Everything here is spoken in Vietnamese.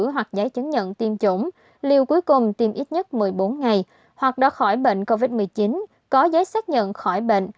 hoặc giấy chứng nhận tiêm chủng liều cuối cùng tiêm ít nhất một mươi bốn ngày hoặc đã khỏi bệnh covid một mươi chín có giấy xác nhận khỏi bệnh